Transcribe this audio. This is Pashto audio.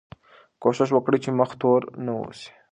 کوښښ وکړئ چې مخ تور نه اوسئ.